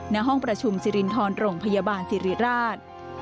ณห้องประชุมสิรินทรโรงพยาบาลสิริราช